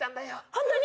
本当に？